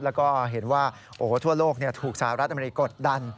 แล้วก็เห็นว่าทั่วโลกถูกสหรัฐอเมริกดดัน